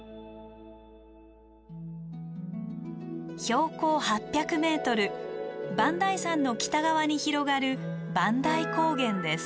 標高８００ｍ磐梯山の北側に広がる磐梯高原です。